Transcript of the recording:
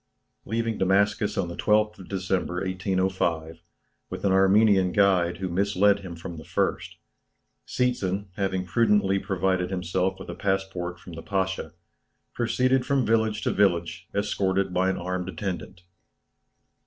Leaving Damascus on the 12th of December, 1805, with an Armenian guide who misled him from the first, Seetzen, having prudently provided himself with a passport from the Pasha, proceeded from village to village escorted by an armed attendant.